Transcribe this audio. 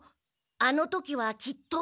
あの時はきっと。